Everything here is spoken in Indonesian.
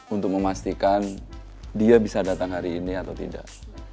untuk memastikan dia bisa datang hari ini atau tidak